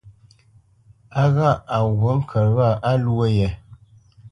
A ghâʼ à ghǔt ŋkə̌t wâ á lwô ye.